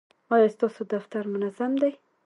ایا ستاسو دفتر منظم دی؟